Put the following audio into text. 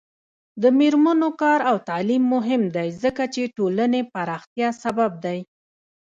د میرمنو کار او تعلیم مهم دی ځکه چې ټولنې پراختیا سبب دی.